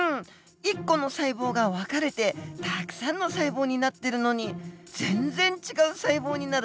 １個の細胞が分かれてたくさんの細胞になってるのに全然違う細胞になる